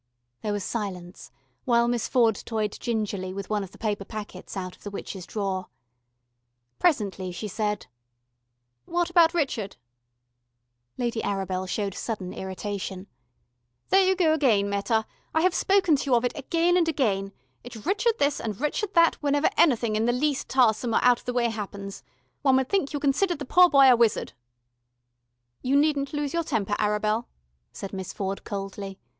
There was silence, while Miss Ford toyed gingerly with one of the paper packets out of the witch's drawer. Presently she said: "What about Richard?" Lady Arabel showed sudden irritation. "There you go again, Meta; I have spoken to you of it again and again. It's Rrchud this and Rrchud that whenever anything in the least tahsome or out of the way happens. One would think you considered the poor boy a wizard." "You needn't lose your temper, Arabel," said Miss Ford coldly.